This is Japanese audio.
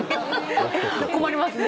困りますね。